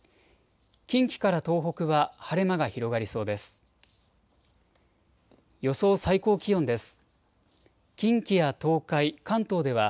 近畿から東北は晴れ間が広がりそうです。